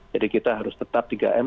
jadi kita harus tetap tiga m